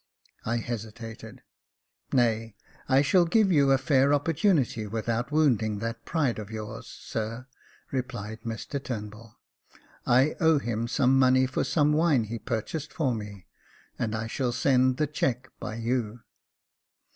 I hesitated. Nay, I shall give you a fair opportunity without wound ing that pride of yours, sir," replied Mr Turnbull ;" I owe him some money for some wine he purchased for me, and I shall send the cheque by you."